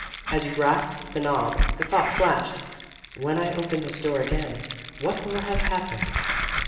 As you grasped the knob the thought flashed, "When I open this door again, what will have happened?"